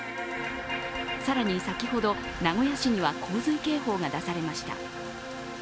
更に、先ほど名古屋市には洪水警報が出されました。